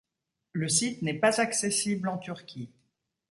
Le site n’est pas accessible en Turquie.